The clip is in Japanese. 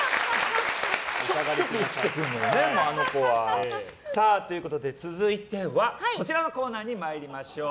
ちょっと映ってくるのよね。ということで続いてはこちらのコーナーに参りましょう。